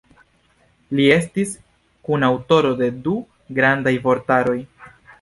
Li estis kunaŭtoro de du grandaj vortaroj.